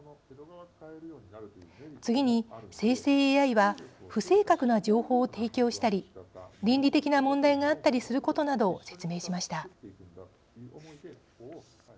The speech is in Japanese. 次に生成ＡＩは不正確な情報を提供したり倫理的な問題があったりすることなどを説明しました。